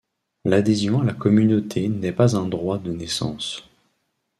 L'adhésion à la communauté n’est pas un droit de naissance.